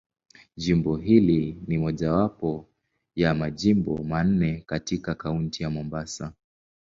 Jimbo hili ni mojawapo ya Majimbo manne katika Kaunti ya Mombasa.